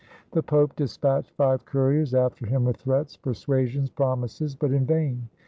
The Pope dispatched five couriers after him with threats, persua sions, promises, but in vain.